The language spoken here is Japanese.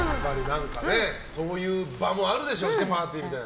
そういう場もあるでしょうしねパーティーみたいな。